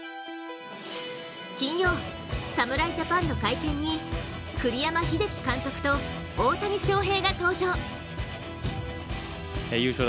金曜、侍ジャパンの会見に栗山英樹監督と大谷翔平が登場。